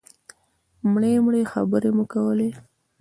مړې مړې خبرې مو کولې.